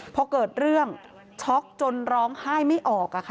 พอเกิดเรื่องช็อกจนร้องไห้ไม่ออก